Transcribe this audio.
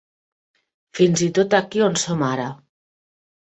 Fins i tot aquí on som ara.